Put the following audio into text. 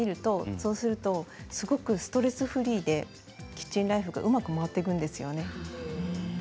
そうするとすごくストレスフリーでキッチンライフがうまく回っていくんですよね。